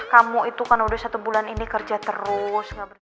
kamu itu kan udah satu bulan ini kerja terus